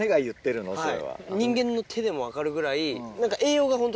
人間の手でも分かるぐらい何か。